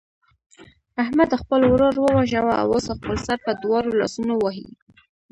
احمد خپل ورور وواژه او اوس خپل سر په دواړو لاسونو وهي.